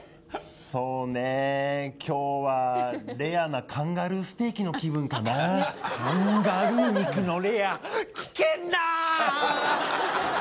そうね今日はレアなカンガルーステーキの気分かなカンガルー肉のレア危険だ！